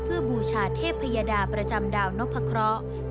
เพื่อบูชาเทพยดาประจำดาวนพะเคราะห์